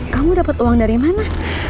kamu dapat uang dari mana